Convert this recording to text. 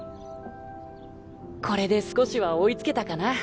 これで少しは追いつけたかな。